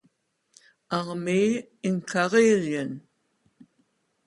Armee in Karelien.